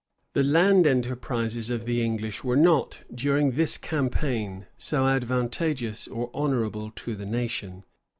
The land enterprises of the English were not, during this campaign, so advantageous or honorable to the nation.